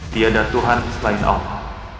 tidak ada tuhan selain allah